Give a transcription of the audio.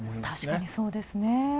確かにそうですね。